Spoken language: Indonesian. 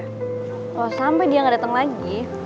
kalo sampe dia gak dateng lagi